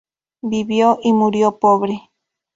Vivió y murió pobre.